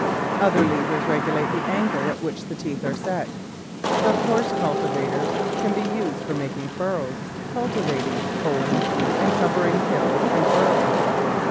Other levers regulate the angle at which the teeth are set. These horse cultivators can be used for making furrows, cul tivating, hoeing, and covering hills and furrows.